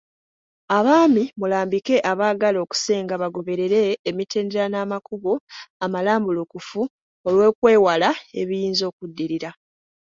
Abaami mulambike abaagala okusenga bagoberere emitendera n'amakubo amalambulukufu olwokwewala ebiyinza okuddirira.